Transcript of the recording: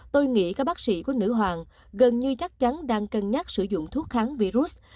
tôi nghĩ các bác sĩ của nữ hoàng gần như chắc chắn đang cân nhắc sử dụng thuốc kháng virus